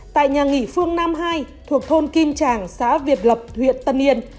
tại nhà nghỉ phương nam hai thuộc thôn kim tràng xã việt lập huyện tân yên